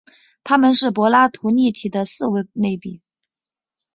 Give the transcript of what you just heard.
它们是柏拉图立体的四维类比。